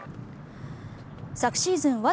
昨シーズン